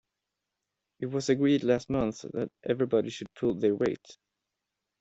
It was agreed last month that everybody should pull their weight